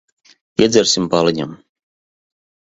Iedzersim pa aliņam.